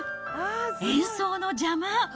演奏の邪魔。